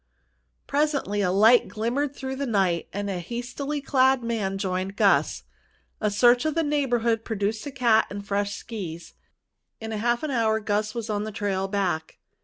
Presently a light glimmered through the night and a hastily clad man joined Gus. A search of the neighborhood produced a cat and fresh skis. In half an hour Gus was on the trail back.